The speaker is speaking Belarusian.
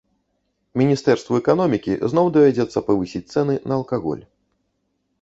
Міністэрству эканомікі зноў давядзецца павысіць цэны на алкаголь.